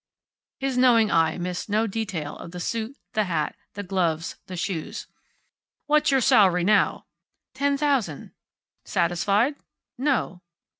His knowing eye missed no detail of the suit, the hat, the gloves, the shoes. "What's your salary now?" "Ten thousand." "Satisfied?" "No."